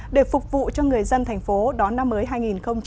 để phục vụ cho người dân thành phố đón năm mới hai nghìn hai mươi